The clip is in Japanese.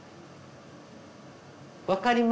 分かります？